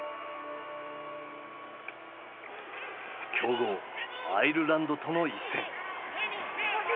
強豪アイルランドとの一戦。